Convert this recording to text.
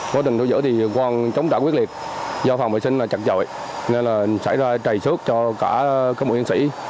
có tình thủ giữa thì quang chống trả quyết liệt do phòng vệ sinh là chặt chọi nên là xảy ra trầy xước cho cả các bộ chiến sĩ